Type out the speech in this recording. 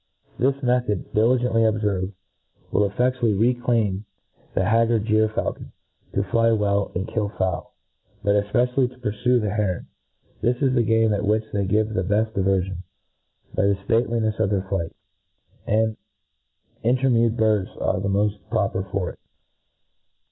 This method, diligently obferved, will effe£tu ally reclaim the haggard gyr faulcon to fly well, and kill fowl, but efpecially to purfue the heron. This is the game* at which they give the beft di verfion, by the ftatelinefs of their flights ; and intcrmewed birds^ are the moft proper for it.